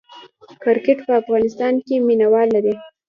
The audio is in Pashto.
کرکټ په افغانستان کې مینه وال لري